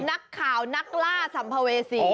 นักข่าวนักล่าสัมภเวษี